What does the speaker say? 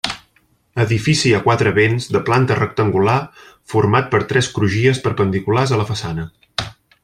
Edifici a quatre vents de planta rectangular format per tres crugies perpendiculars a la façana.